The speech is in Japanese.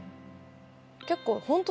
結構。